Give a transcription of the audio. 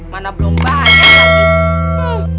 mana belum banyak lagi